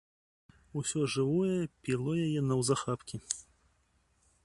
Усё жывое піло яе наўзахапкі.